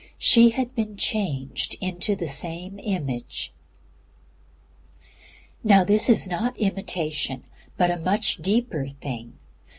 She had been changed into the Same Image. Now this is not imitation, but a much deeper thing.